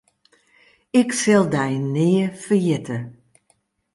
Ik sil dy nea ferjitte.